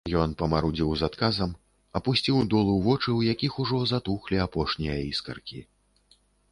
Ён памарудзіў з адказам, апусціў долу вочы, у якіх ужо затухлі апошнія іскаркі.